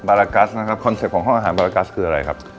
บารากัสนะครับคอนเซ็ปต์ของห้องอาหารบารากัสคืออะไรครับ